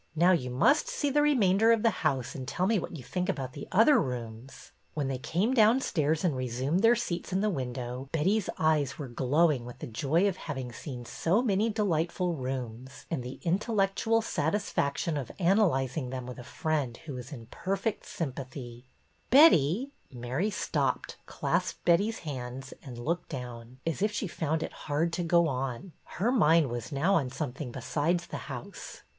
Now, you must see the remainder of the house and tell me what you think about the other rooms." When they came downstairs and resumed their seats in the window, Betty's eyes were glowing with the joy of having seen so many delightful rooms, and the intellectual satisfaction of ana lyzing them with a friend who was in perfect sympathy. MARY KING'S PLAN 249 Betty, —" Mary stopped, clasped Betty's hands, and looked down, as if she found it hard to go on. Her mind was now on something besides the house.